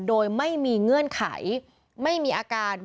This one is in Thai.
โดยไม่มีเงื่อนไขไม่มีอาการ